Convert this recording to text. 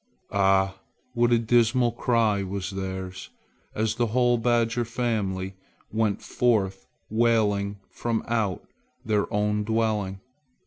Ah! what a dismal cry was theirs as the whole badger family went forth wailing from out their own dwelling!